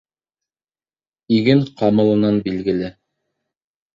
Иген ҡамылынан билгеле.